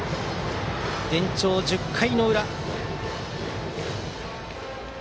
延長１０回裏。